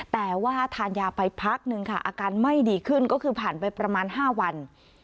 แต่ว่าทานยาไปพักนึงค่ะอาการไม่ดีขึ้นก็คือผ่านไปประมาณ๕วัน